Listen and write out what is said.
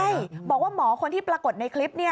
ใช่บอกว่าหมอคนที่ปรากฏในคลิปนี้